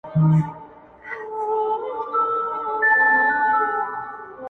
تاج پر سر څپلۍ په پښو توره تر ملاوه،